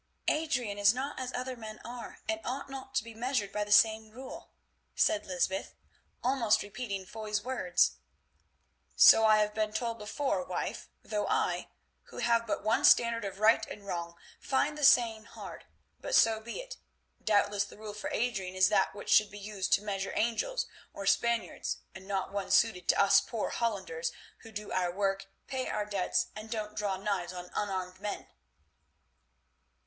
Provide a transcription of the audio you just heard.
"Adrian is not as other men are, and ought not to be measured by the same rule," said Lysbeth, almost repeating Foy's words. "So I have been told before, wife, though I, who have but one standard of right and wrong, find the saying hard. But so be it. Doubtless the rule for Adrian is that which should be used to measure angels—or Spaniards, and not one suited to us poor Hollanders who do our work, pay our debts, and don't draw knives on unarmed men!"